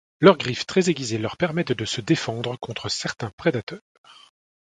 Leurs griffes très aiguisées leur permettent de se défendre contre certains prédateurs.